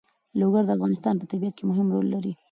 لوگر د افغانستان په طبیعت کې مهم رول لري.